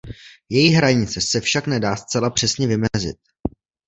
Její hranice se však nedá zcela přesně vymezit.